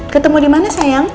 ketemu dimana sayang